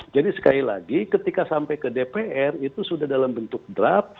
jadi sekali lagi ketika sampai ke dpr itu sudah dalam bentuk draft